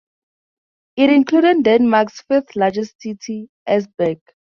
It included Denmark's fifth largest city, Esbjerg.